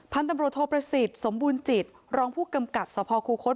พันธมรถโทษประสิทธิ์สมบูรณ์จิตรองผู้กำกัดสภคุคส